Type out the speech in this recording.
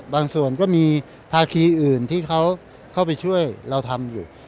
ส่วนก็มีภาคีอื่นที่เขาเข้าไปช่วยเราทำอยู่